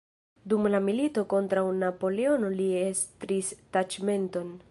Dum la milito kontraŭ Napoleono li estris taĉmenton.